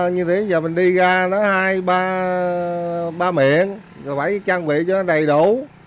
như thế giờ mình đi ra nó hai ba miệng phải trang bị cho nó đầy đủ